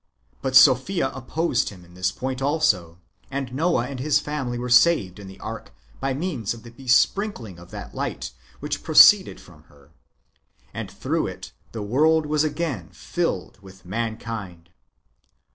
But Sophia opposed him in this point also, and Noah and his family were saved in the ark by means of the besprinkling of that light which proceeded from her, and through it the world was again filled with mankind.